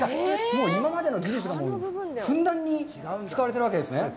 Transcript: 今までの技術がふんだんに使われてるわけですね。